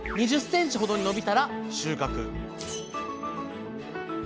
２０ｃｍほどに伸びたら収穫